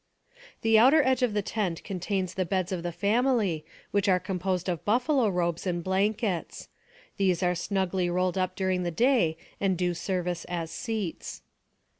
The outer edge of the tent contains the beds of the family, which are composed of buffalo robes and blankets. These are snugly rolled up during the day, and do service as seats.